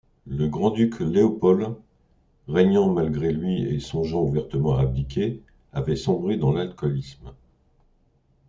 Le grand-duc Léopold, régnant malgré-lui et songeant ouvertement à abdiquer, avait sombré dans l'alcoolisme.